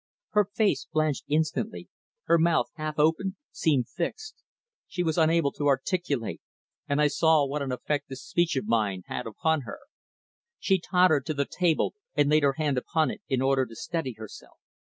Her face blanched instantly, her mouth, half opened, seemed fixed. She was unable to articulate, and I saw what an effect this speech of mine had upon her. She tottered to the table and laid her hand upon it in order to steady herself.